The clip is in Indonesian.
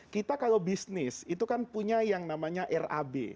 kita kalau bisnis itu kan punya yang namanya rab